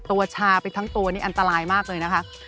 ชาไปทั้งตัวนี่อันตรายมากเลยนะคะ